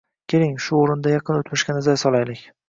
Keling, shu o`rinda yaqin o`tmishga nazar solaylik